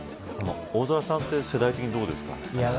大空さんは世代的にどうですか。